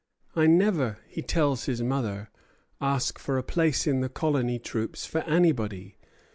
"I never," he tells his mother, "ask for a place in the colony troops for anybody.